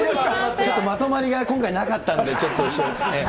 ちょっとまとまりが今回、なかったんで、ちょっと師匠。